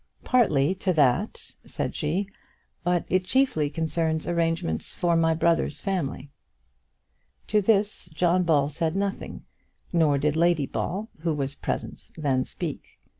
"Partly to that," she said, "but it chiefly concerns arrangements for my brother's family." To this John Ball said nothing, nor did Lady Ball, who was present, then speak.